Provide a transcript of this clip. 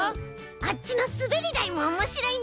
あっちのすべりだいもおもしろいんだよ！